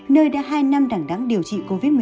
nơi đã hai năm đẳng đẳng điều trị covid một mươi chín